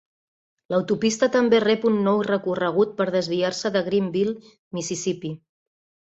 L'autopista també rep un nou recorregut per desviar-se de Greenville, Mississipí.